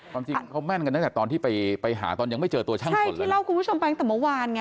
ความจริงเขาแม่นกันตั้งแต่ตอนที่ไปไปหาตอนยังไม่เจอตัวช่างฝุ่นเลยคือเล่าคุณผู้ชมไปตั้งแต่เมื่อวานไง